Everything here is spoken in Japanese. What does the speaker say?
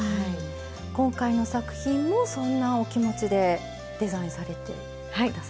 今回の作品もそんなお気持ちでデザインされて下さってる。